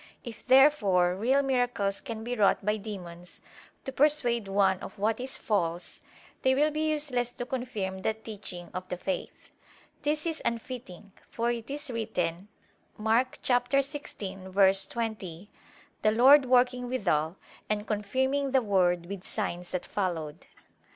If therefore real miracles can be wrought by demons, to persuade one of what is false, they will be useless to confirm the teaching of the faith. This is unfitting; for it is written (Mk. 16:20): "The Lord working withal, and confirming the word with signs that followed."